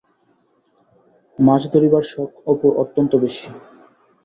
মাছ ধরিবার শখ অপুর অত্যন্ত বেশি।